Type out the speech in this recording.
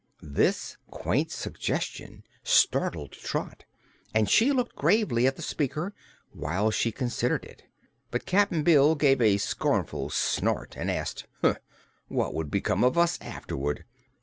This quaint suggestion startled Trot and she looked gravely at the speaker while she considered it, but Cap'n Bill gave a scornful snort and asked: "What would become of us afterward?